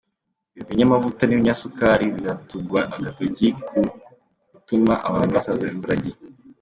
Ibinyamavuta n’ibinyasukari biratugwa agatoki ku gutuma abantu basaza imburagihe